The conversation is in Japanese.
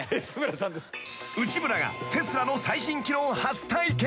［内村がテスラの最新機能を初体験］